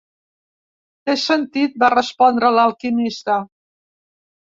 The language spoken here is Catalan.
"Té sentit", va respondre l'alquimista.